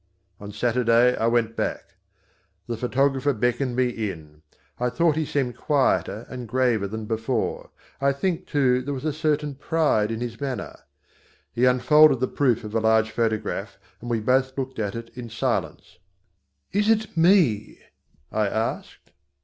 On Saturday I went back. The photographer beckoned me in. I thought he seemed quieter and graver than before. I think, too, there was a certain pride in his manner. He unfolded the proof of a large photograph, and we both looked at it in silence. "Is it me?" I asked.